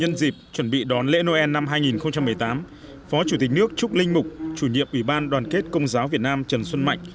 nhân dịp chuẩn bị đón lễ noel năm hai nghìn một mươi tám phó chủ tịch nước trúc linh mục chủ nhiệm ủy ban đoàn kết công giáo việt nam trần xuân mạnh